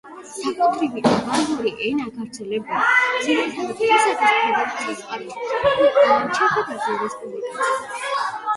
საკუთრივ აბაზური ენა გავრცელებულია ძირითადად რუსეთის ფედერაციის ყარაჩაი-ჩერქეზეთის რესპუბლიკაში.